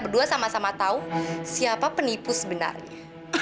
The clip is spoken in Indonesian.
berdua sama sama tahu siapa penipu sebenarnya